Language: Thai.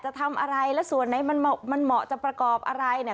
จะทำอะไรแล้วส่วนไหนมันเหมาะมันเหมาะจะประกอบอะไรเนี่ย